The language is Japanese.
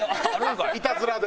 いたずらで？